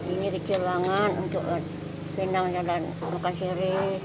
ini kecil banget untuk senang jadang makan sirih